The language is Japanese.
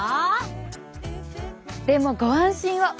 でもご安心を！